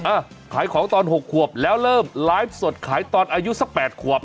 อ่ะขายของตอน๖ขวบแล้วเริ่มไลฟ์สดขายตอนอายุสัก๘ขวบ